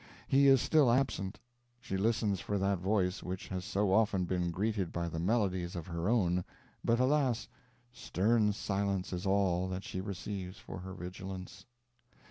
He is still absent; she listens for that voice which has so often been greeted by the melodies of her own; but, alas! stern silence is all that she receives for her vigilance.